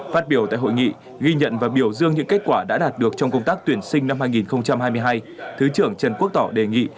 phát biểu tại hội nghị ghi nhận và biểu dương những kết quả đã đạt được trong công tác tuyển sinh năm hai nghìn hai mươi hai thứ trưởng trần quốc tỏ đề nghị